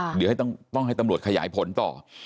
เดี๋ยวให้ต้องให้ตำรวจขยายผลต่อ